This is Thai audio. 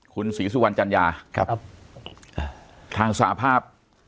คุณศรีสุวรรณจัญญาครับครับอ่าทางสหภาพ